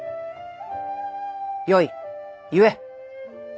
よい言え。